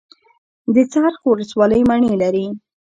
د څرخ ولسوالۍ مڼې لري